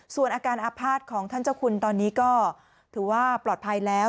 ส่วนอาการอาภาษณ์ของท่านเจ้าคุณตอนนี้ก็ถือว่าปลอดภัยแล้ว